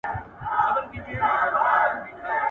ځمکه هر کال نمانځل کېږي.